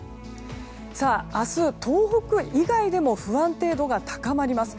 明日、東北以外でも不安定度が高まります。